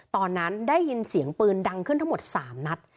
ตอนนั้นได้ยินเสียงปืนดังขึ้นทั้งหมด๓นัด